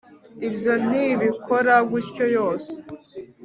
ibyo ntibikora gutyo yose